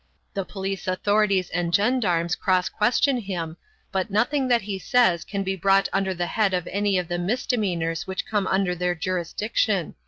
The police authorities and gendarmes cross question him, but nothing that he says can be brought under the head of any of the misdemeanors which come under their jurisdiction.